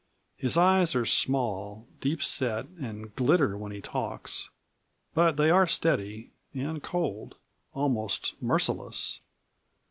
His eyes are small, deep set, and glitter when he talks. But they are steady, and cold almost merciless.